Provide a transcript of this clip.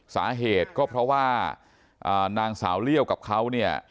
สาเหตุก็เพราะว่านางสาวเลี่ยวกับเขาเนี่ย